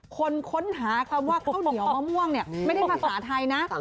คนค้นหาคำว่าข้าวเหนียวมะม่วงเนี่ยไม่ได้ภาษาไทยนะ